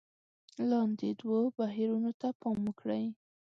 لاندې دوو بهیرونو ته پام وکړئ: